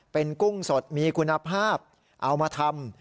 เป็นกุ้งสดมีคุณภาพเอามาทำ